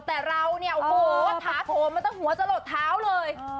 แต่เรานี่โอ้โฮจะถาขอเป็นต้นหัวสลดเท้าเลย